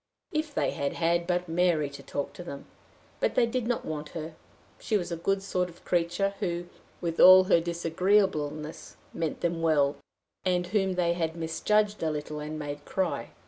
If they had had but Mary to talk to them! But they did not want her: she was a good sort of creature, who, with all her disagreeableness, meant them well, and whom they had misjudged a little and made cry!